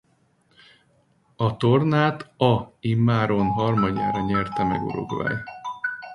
A tornát a immáron harmadjára nyerte meg Uruguay.